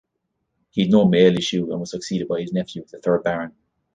He had no male issue and was succeeded by his nephew, the third Baron.